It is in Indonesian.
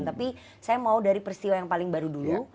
tapi saya mau dari peristiwa yang paling baru dulu